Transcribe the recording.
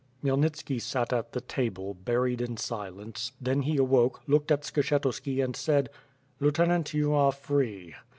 Khmyelnitski sat at the table, buried in silence; suddenly he awoke, looked at Skshetuski and said: ^'Lieutenant, you are free."